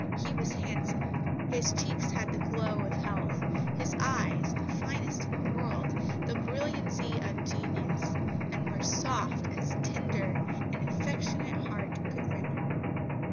He was handsome. His cheeks had the glow of health; his eyes the finest in the world the brilliancy of genius, and were soft as a tender and affectionate heart could render them.